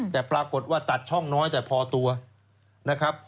แต่ปรากฏว่าตัดช่องน้อยแต่พอตัวนะครับ